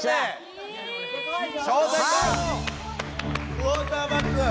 クオーターバック。